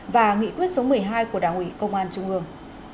và nghị quyết số một mươi hai của đảng ủy công an trung ương